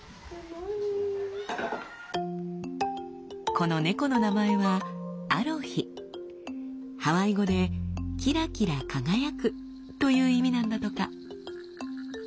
この猫の名前はハワイ語で「キラキラ輝く」という意味なんだとか。